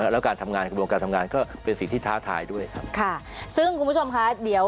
แล้วการทำงานกระดวงการทำงานก็เป็นสิ่งที่ท้าทายด้วย